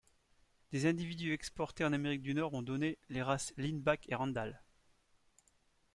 Des individus exportés en Amérique du Nord ont donné les races lineback et randall.